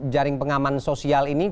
jaring pengaman sosial ini